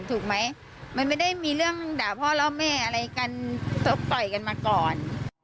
ถูกไหมมันไม่ได้มีเรื่องด่าพ่อล่อแม่อะไรกันชกต่อยกันมาก่อน